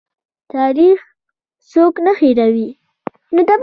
تاریخ څوک نه هیروي؟